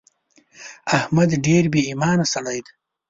احمد ډېر بې ايمانه سړی دی.